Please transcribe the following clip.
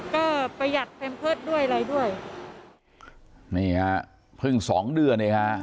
ก็ประหยัดแพมเพิร์ตด้วยอะไรด้วยนี่ฮะเพิ่งสองเดือนเองฮะ